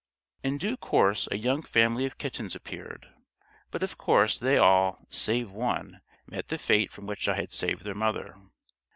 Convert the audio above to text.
In due course a young family of kittens appeared; but of course they all, save one, met the fate from which I had saved their mother.